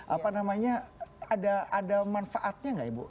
apa namanya ada manfaatnya nggak ibu